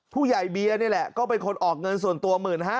ผู้ใหญ่เบียร์นี่แหละก็เป็นคนออกเงินส่วนตัว๑๕๐๐